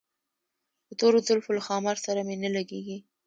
د تورو زلفو له ښامار سره مي نه لګیږي